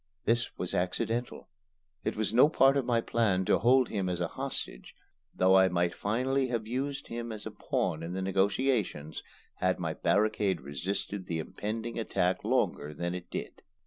This was accidental. It was no part of my plan to hold him as a hostage, though I might finally have used him as a pawn in the negotiations, had my barricade resisted the impending attack longer than it did.